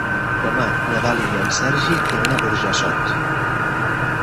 Demà na Dàlia i en Sergi iran a Burjassot.